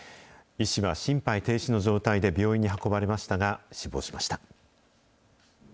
医師は心肺停止の状態で病院に運ばれましたが、死亡しました。